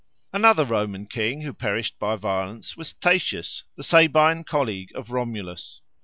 Another Roman king who perished by violence was Tatius, the Sabine colleague of Romulus.